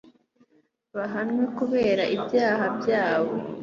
bahanwe kubera ibyaha byabo